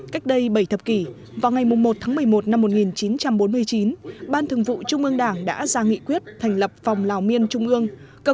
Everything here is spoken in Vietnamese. cách đây bảy thập kỷ vào ngày một tháng một mươi một năm một nghìn chín trăm bốn mươi chín ban thường vụ trung ương đảng đã ra nghị quyết thành lập phòng lào miên trung ương